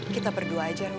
kita berdua aja rum